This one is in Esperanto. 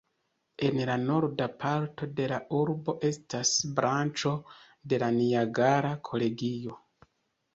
En la norda parto de la urbo estas branĉo de la Niagara Kolegio.